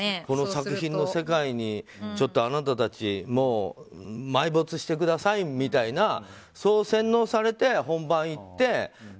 この作品の世界にちょっとあなたたちもう埋没してくださいみたいなそう洗脳されて本番に行って。